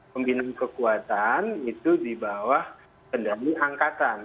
pembinaan kekuatan itu di bawah kendali angkatan